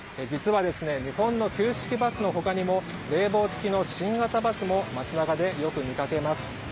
実は、日本の旧式バスの他にも冷房付きの新型バスも街中でよく見かけます。